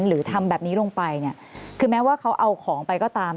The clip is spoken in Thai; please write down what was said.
หรือทำแบบนี้ลงไปเนี่ยคือแม้ว่าเขาเอาของไปก็ตาม